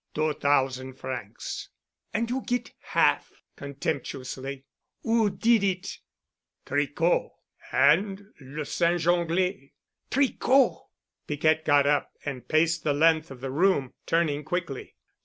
"Two thousand francs." "And you get half," contemptuously. "Who did it?" "Tricot and Le Singe Anglais." "Tricot!" Piquette got up and paced the length of the room, turning quickly.